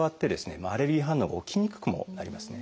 アレルギー反応が起きにくくもなりますね。